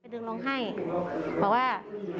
ดึงลงไพร์บอกว่า